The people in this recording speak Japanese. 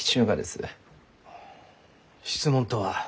あ質問とは？